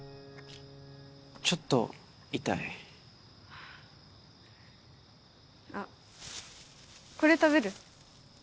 ちょっと痛いあっこれ食べる？